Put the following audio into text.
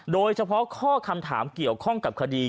โดยเฉพาะข้อคำถามเกี่ยวข้องกับคดี